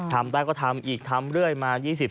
ทำได้ก็ทำอีกทำเรื่อยมา๒๐